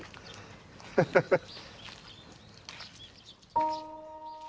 ハハハッ。